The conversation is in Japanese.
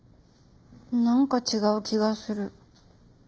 なんか違う気がする。